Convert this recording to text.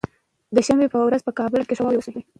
د شنبه به ورځ کابل ښار کې ښه واوره وشوه